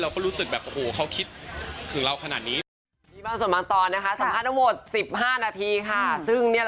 ก็รู้สึกแบบโอ้โหเขาคิดถึงเราขนาดนี้